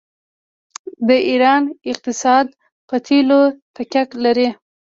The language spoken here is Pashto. د ایران اقتصاد په تیلو تکیه لري.